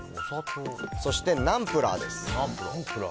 そして、ナンプラーです。